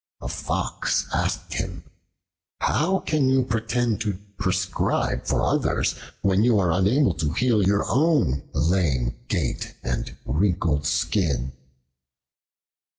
A Fox asked him, "How can you pretend to prescribe for others, when you are unable to heal your own lame gait and wrinkled skin?"